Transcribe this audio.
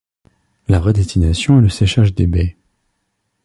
La vraie destination est le séchage des baies.